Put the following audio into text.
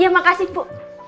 ya makasih bu